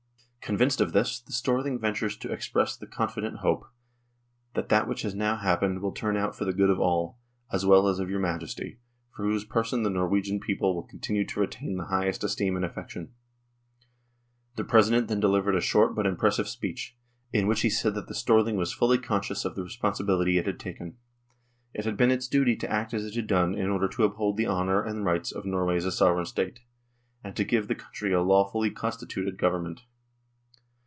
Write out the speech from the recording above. "Convinced of this, the Storthing ventures to express the confident hope that that which has now happened will turn out for the good of all, as well as of your Majesty, for whose person the Norwegian people will continue to retain the highest esteem and affection." The President then delivered a short but impressive speech, in which he said that the Storthing was fully conscious of the responsibility it had taken. It had been its duty to act as it had done in order to uphold the honour and rights of Norway as a sovereign State, and to give the country a lawfully constituted Govern ment.